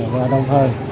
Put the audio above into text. và đồng thời